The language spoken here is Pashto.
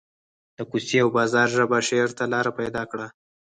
د کوڅې او بازار ژبه شعر ته لار پیدا کړه